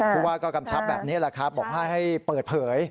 ผู้ว่าก็กำชับแบบนี้แหละครับบอกว่าให้เปิดเผย